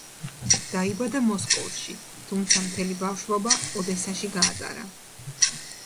დაიბადა მოსკოვში, თუმცა მთელი ბავშვობა ოდესაში გაატარა.